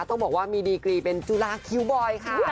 ต้องบอกว่ามีดีกรีเป็นจุฬาคิวบอยค่ะ